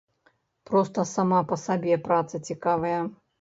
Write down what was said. Проста сама па сабе праца цікавая.